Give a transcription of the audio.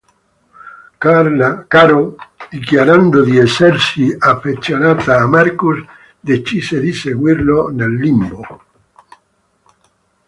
Carol, dichiarando di essersi affezionata a Marcus, decise di seguirlo nel Limbo.